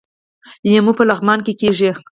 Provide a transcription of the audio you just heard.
لیمو په لغمان کې کیږي